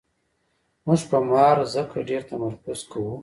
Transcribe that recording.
موږ په مار ځکه ډېر تمرکز کوو.